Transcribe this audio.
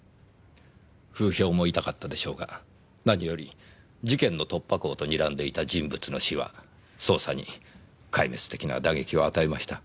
風評も痛かったでしょうが何より事件の突破口と睨んでいた人物の死は捜査に壊滅的な打撃を与えました。